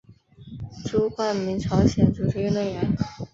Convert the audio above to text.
朱光民朝鲜足球运动员。